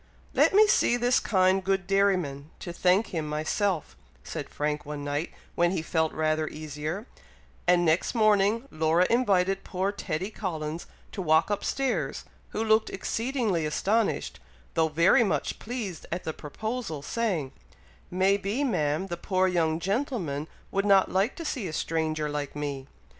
"Let me see this kind good dairyman, to thank him myself," said Frank, one night, when he felt rather easier; and next morning, Laura invited poor Teddy Collins to walk up stairs, who looked exceedingly astonished, though very much pleased at the proposal, saying, "May be, Ma'am, the poor young gentleman would not like to see a stranger like me!"